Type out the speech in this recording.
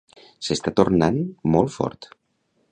S'està tornant molt fort.